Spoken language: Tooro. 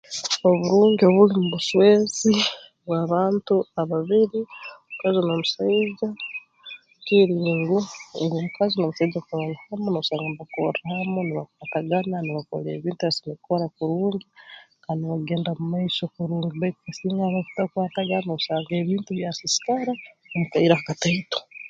Oburungi obuli mu buswezi bwa bantu ababiri omukazi n'omusaija kiri ngu ngu omukazi n'omusaija kuraara hamu noosanga mbakorra hamu nibakwatagana nibakora ebintu ebi basemeriire kukora kurungi kandi nibagenda mu maiso kurungi baitu kasinga habaho kutakwatagana noosanga ebintu byasiisikara omu kaire akataioto